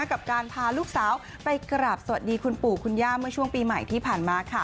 กับการพาลูกสาวไปกราบสวัสดีคุณปู่คุณย่าเมื่อช่วงปีใหม่ที่ผ่านมาค่ะ